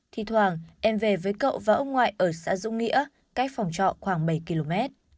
thì thoảng em về với cậu và ông ngoại ở xã dũng nghĩa cách phòng trọ khoảng bảy km